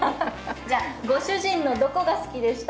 ご主人のどこが好きでした？